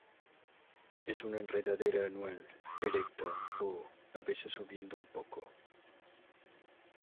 Es una enredadera anual, erecta o, a veces subiendo un poco.